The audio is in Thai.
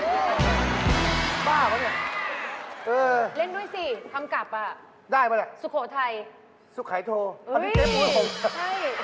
ดูสบายจริงไหมล่ะชีวงใหม่ไม่จะถามว่าใครไหมอะไรชัยเมียงบ้าวะเนี่ย